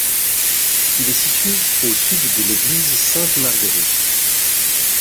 Il est situé au sud de l'église Sainte-Marguerite.